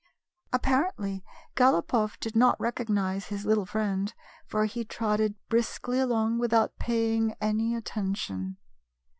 Apparently, Galopoff did not recognize his little friend, for he trotted briskly along with out paying any attention.